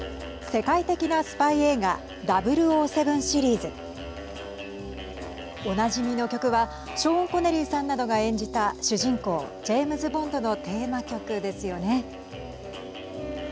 世界的なスパイ映画００７シリーズ。おなじみの曲はショーン・コネリーさんなどが演じた主人公ジェームズ・ボンドのテーマ曲ですよね。